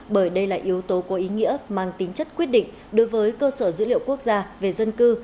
bởi đây là yếu tố có ý nghĩa mang tính chất quyết định đối với cơ sở dữ liệu quốc gia về dân cư